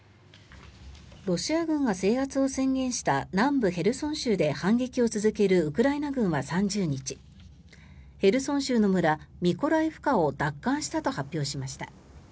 ロシア軍が制圧を宣言した南部ヘルソン州で反撃を続けるウクライナ軍は３０日ヘルソン州の村、ミコライフカを奪還したと発表しました。